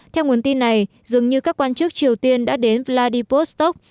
theo nguồn tin này dường như các quan chức triều tiên đã đến vladivostok